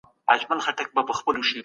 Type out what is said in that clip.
خپل مسوولیت په سمه توګه ترسره کړئ.